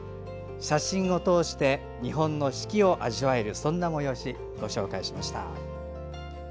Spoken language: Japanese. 写真を通して日本の四季を味わえるそんな催し、ご紹介しました。